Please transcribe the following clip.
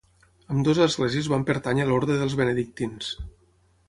Ambdues esglésies van pertànyer a l'orde dels benedictins.